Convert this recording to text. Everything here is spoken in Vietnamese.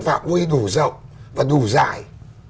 phạm quy đủ rộng và đủ dài